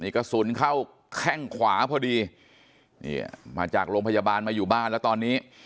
กระสุนเข้าแข้งขวาพอดีนี่มาจากโรงพยาบาลมาอยู่บ้านแล้วตอนนี้